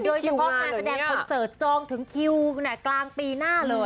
เฉพาะทางแสดงคอนเสริตจองถึงคิวผ่าญุ่งกลางปีหน้า